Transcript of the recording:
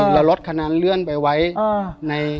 แล้วรถขนาดเลื่อนไปไว้ใน